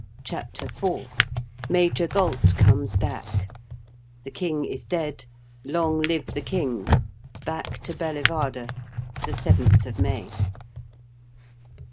CHAPTER IV MAJOR GAULT COMES BACK "The King Is Dead": "Long Live the King" Back to Belle waarde The Seventh of May.